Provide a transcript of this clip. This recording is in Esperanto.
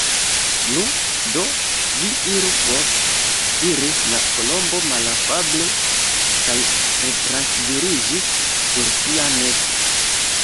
"Nu, do, vi iru for!" diris la Kolombo malafable, kaj retrankviliĝis sur sia nesto.